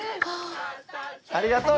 ありがとう。